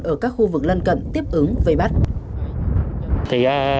ở các khu vực lân cận tiếp ứng vây bắt